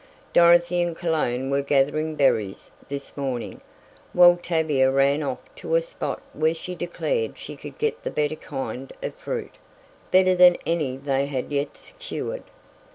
Dorothy and Cologne were gathering berries this morning, while Tavia ran off to a spot where she declared she could get the better kind of fruit, better than any they had yet secured.